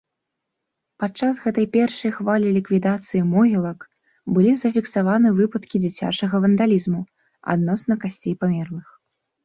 Падчас гэтай першай хвалі ліквідацыі могілак былі зафіксаваны выпадкі дзіцячага вандалізму адносна касцей памерлых.